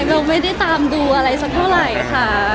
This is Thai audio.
เราไม่ได้ตามดูอะไรสักเท่าไหร่ค่ะ